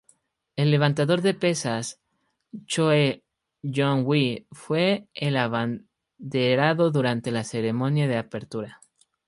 El levantador de pesas Choe Jon-wi fue el abanderado durante la ceremonia de apertura.